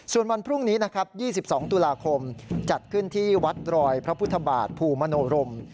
ส่วนวันพรุ่งนี้นะครับ๒๒ตุลาคมจัดขึ้นที่วัดรอยพระพุทธบาทภูมิมโนรม